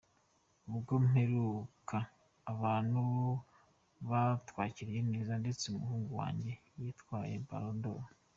Ubwo mpaheruka ,abantu batwakiriye neza ndetse umuhungu wanjye yatwaye Ballon d’Or.